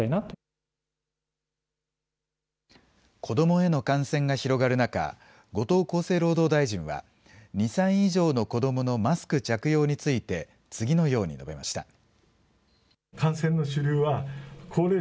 子どもへの感染が広がる中、後藤厚生労働大臣は、２歳以上の子どものマスク着用について、次のように述べました。